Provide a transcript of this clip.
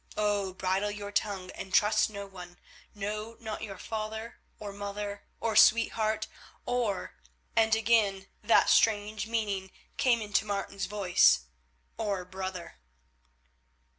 Oh! bridle your tongue and trust no one, no, not your father or mother, or sweetheart, or—" and again that strange meaning came into Martin's voice, "or brother."